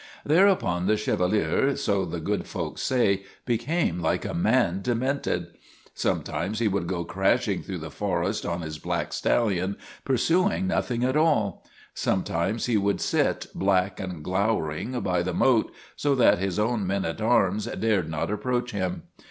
Thereupon the Chevalier, so the good folks say, became like a man demented. Sometimes he would HOUND OF MY LADY BLANCHE 241 go crashing through the forest on his black stallion, pursuing nothing at all. Sometimes he would sit, black and glowering, by the moat, so that his own men at arms dared not approach him.